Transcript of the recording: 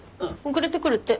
遅れてくるって。